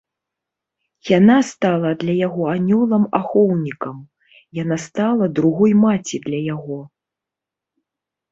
Яна стала для яго анёлам-ахоўнікам, яна стала другой маці для яго.